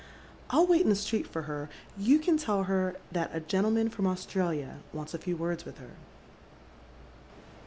I'll wait in the street for her. You "an tell her that a gentleman from Australia wants a few words with her."